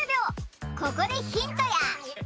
ここでヒントや。